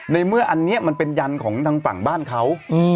ในเมื่ออันนี้มันเป็นยันของทางฝั่งบ้านเขา